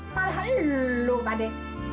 pahali lu kakde